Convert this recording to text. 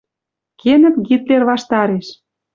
Кенӹт Гитлер ваштареш.